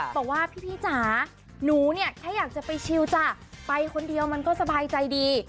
บอกว่าพี่จ๋าหนูเนี่ยแค่อยากจะไปชิลจ้ะไปคนเดียวมันก็สบายใจดี